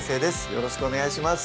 よろしくお願いします